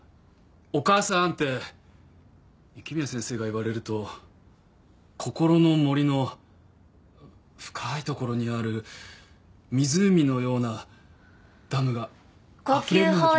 「お母さーん！」って雪宮先生が言われると心の森の深い所にある湖のようなダムがあふれる。